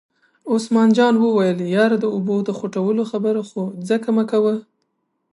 عثمان جان وویل: یار د اوبو د خوټولو خبره خو ځکه مکوه.